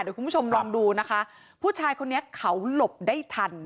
เดี๋ยวคุณผู้ชมลองดูนะคะผู้ชายคนนี้เขาหลบได้ทัน